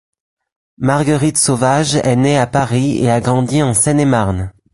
Marguerite Sauvage est née à Paris et a grandi en Seine-et-Marne.